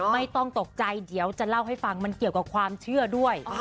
ไม่ต้องตกใจเดี๋ยวจะเล่าให้ฟังมันเกี่ยวกับความเชื่อด้วย